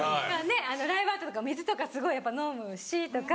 ライブ後とか水とかすごいやっぱ飲むしとか。